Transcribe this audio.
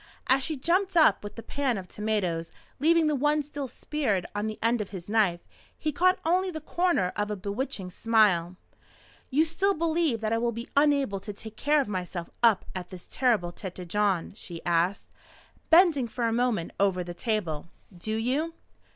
As she jumped up with the pan of potatoes, leaving the one still speared on the end of his knife, he caught only the corner of a bewitching smile. "You still believe that I will be unable to take care of myself up at this terrible Tête Jaune?" she asked, bending for a moment over the table. "Do you?"